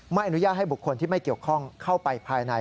อนุญาตให้บุคคลที่ไม่เกี่ยวข้องเข้าไปภายใน